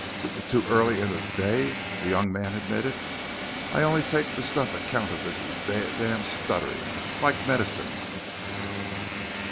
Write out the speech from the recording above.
"T too early in the d day," the young man admitted. "I only take the stuff account of this d damn stuttering. Like medicine."